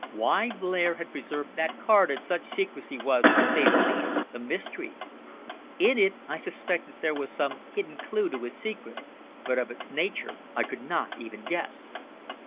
Why Blair had preserved that card in such secrecy was, to say the least, a mystery. In it I suspected there was some hidden clue to his secret, but of its nature I could not even guess.